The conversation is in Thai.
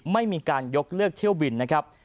ไม่มีการยกเลิกเที่ยวบินนะครับ